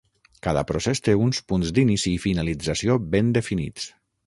Cada procés té uns punts d'inici i finalització ben definits.